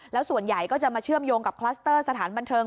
แล้วส่วนใหญ่ก็จะมาเชื่อมโยงกับคลัสเตอร์สถานบันเทิง